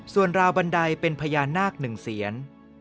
ส่วนราวบันไดเป็นพญานาค๑เสียน